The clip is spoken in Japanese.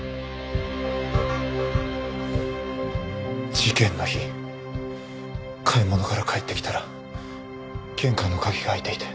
事件の日買い物から帰ってきたら玄関の鍵が開いていて。